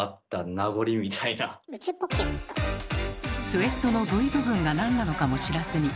スウェットのＶ部分がなんなのかも知らずに。